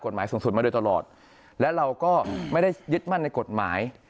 สูงสุดมาโดยตลอดและเราก็ไม่ได้ยึดมั่นในกฎหมาย